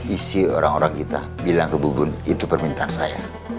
isi orang orang kita bilang ke bugun itu permintaan saya